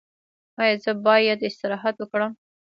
ایا زه باید استراحت وکړم؟